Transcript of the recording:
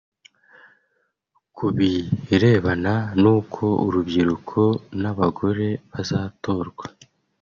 Ku birebana n’uko urubyiruko n’abagore bazatorwa